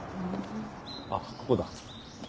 あっここだ。